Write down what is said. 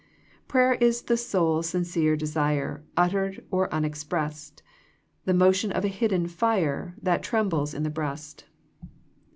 / Prayer is the soul's sincere desire Uttered or unexpressed ; The motion of a hidden fire That trembles in the breast.